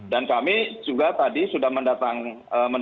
dan kami juga tadi sudah mendatangi dirjen ahu ke peristiwa hukum